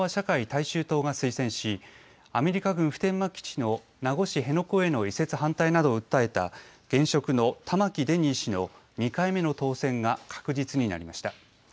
大衆党が推薦し、アメリカ軍普天間基地の名護市辺野古への移設反対などを訴えた現職の玉城デニー氏の２回目の当選が確実になりました。